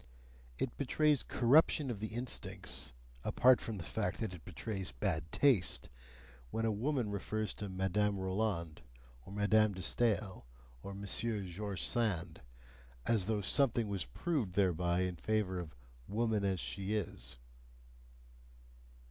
It betrays corruption of the instincts apart from the fact that it betrays bad taste when a woman refers to Madame Roland, or Madame de Stael, or Monsieur George Sand, as though something were proved thereby in favour of "woman as she is."